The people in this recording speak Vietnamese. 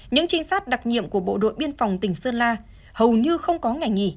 những trinh sát đặc nhiệm của bộ đội biên phòng tỉnh sơn la hầu như không có ngày nghỉ